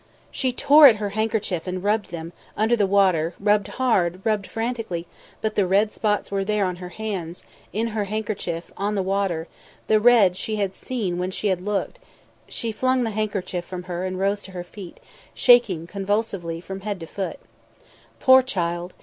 She tore at her handkerchief and rubbed them; under the water, rubbed hard, rubbed frantically, but the red spots were there on her hands, on her handkerchief, on the water the red she had seen when she had looked ... She flung the handkerchief from her and rose to her feet, shaking convulsively from head to foot. Poor child!